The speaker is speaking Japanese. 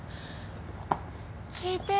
聞いて。